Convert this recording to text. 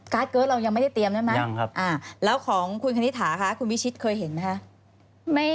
เกิร์ตเรายังไม่ได้เตรียมใช่ไหมแล้วของคุณคณิตถาคะคุณวิชิตเคยเห็นไหมคะ